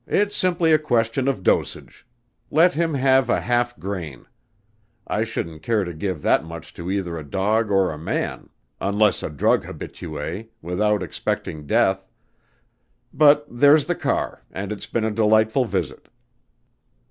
"It's simply a question of dosage. Let him have a half grain, I shouldn't care to give that much to either a dog or a man unless a drug habitué without expecting death but there's the car and it's been a delightful visit."